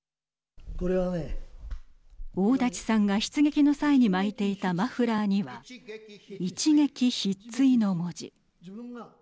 大舘さんが出撃の際に巻いていたマフラーには一撃必墜の文字。